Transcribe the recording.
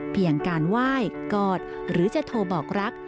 เพียงการไหว้กอดหรือจะโทรบอกรัก